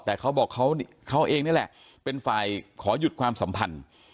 แต่เขาบอกเขาเองนี่แหละเป็นฝ่ายขอหยุดความสัมพันธ์